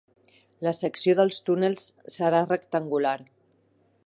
La secció dels túnels serà rectangular.